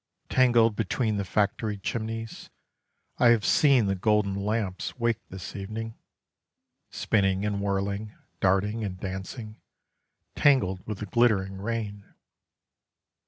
Tangled between the factory chimneys, I have seen the golden lamps wake this evening: Spinning and whirling, darting and dancing, Tangled with the glittering rain.